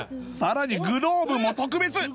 さらにグローブも特別！